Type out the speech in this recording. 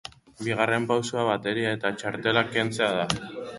Bigarren pausoa bateria eta txartelak kentzea da.